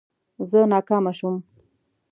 زه ناکامه شوم